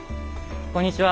こんにちは